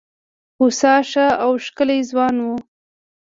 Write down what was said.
هوسا ښه او ښکلی ځوان وو.